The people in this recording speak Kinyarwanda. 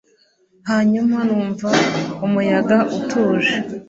hanyuma numva umuyaga utuje